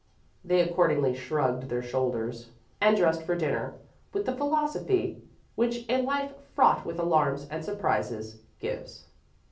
They accordingly shrugged their shoulders and dressed for dinner with the philosophy which a life fraught with alarms and surprises gives.